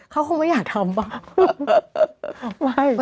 เขาคงไม่อยากทำป่ะ